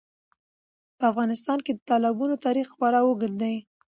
په افغانستان کې د تالابونو تاریخ خورا اوږد دی.